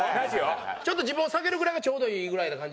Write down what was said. ちょっと自分を下げるぐらいがちょうどいいぐらいな感じ？